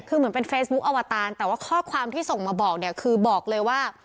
คือเหมือนเป็นเฟซบุ๊คอวตารแต่ว่าข้อความที่ส่งมาบอกเนี่ยคือบอกเลยว่า